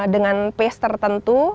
dengan pace tertentu